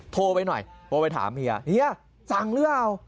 โทรไปหน่อยโทรไปถามเฮียเฮียสั่งหรือเปล่า